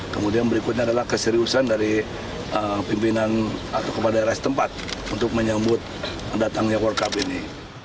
kemudian berikutnya adalah keseriusan dari pimpinan atau kepada rst empat untuk menyambut mendatangnya world cup ini